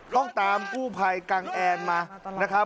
ต้องตามกู้ภัยกังแอลมา